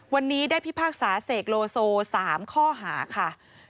วันนี้ได้พิพากษาเสกโลโซ๓ข้อหาค่ะ